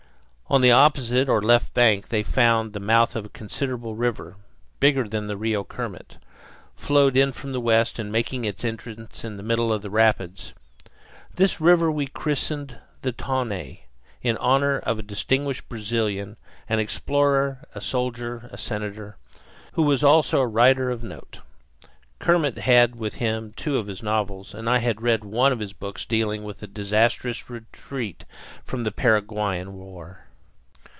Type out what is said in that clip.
On the opposite or left bank they found the mouth of a considerable river, bigger than the Rio Kermit, flowing in from the west and making its entrance in the middle of the rapids. This river we christened the Taunay, in honor of a distinguished Brazilian, an explorer, a soldier, a senator, who was also a writer of note. Kermit had with him two of his novels, and I had read one of his books dealing with a disastrous retreat during the Paraguayan war.